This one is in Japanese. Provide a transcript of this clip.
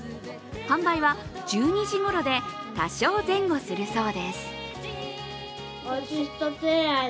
販売は１２時ごろで多少前後するそうです。